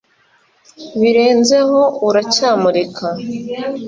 Birenzeho uracyamurika